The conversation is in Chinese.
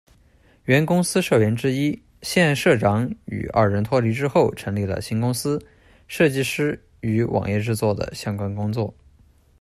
原公司社员之一、现社长与二人脱离之后成立了新公司、设计师与网页制作的相关工作。